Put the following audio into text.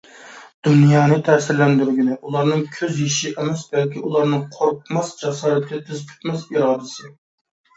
دۇنيانى تەسىرلەندۈرگىنى ئۇلارنىڭ كۆز يېشى ئەمەس، بەلكى ئۇلارنىڭ قورقماس جاسارىتى، تىز پۈكمەس ئىرادىسى.